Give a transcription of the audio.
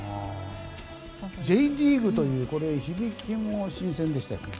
Ｊリーグという響きも新鮮でしたよね。